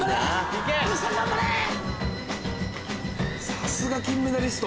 さすが金メダリスト。